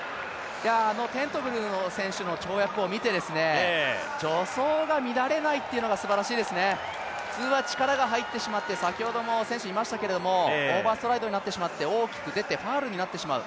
テントグル選手の跳躍を見て助走が乱れないというのがすばらしいですね、普通は力が入ってしまって先ほども選手いましたけどもオーバーストライドになってしまって大きく出てファウルになってしまう。